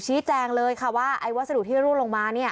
ชี้แจงเลยว่าวัสดุที่ร่วงลงมา